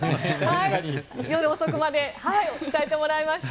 夜遅くまで伝えてもらいました。